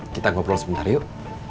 kita ngobrol sebentar yuk